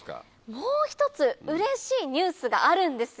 もう一つうれしいニュースがあるんですよ！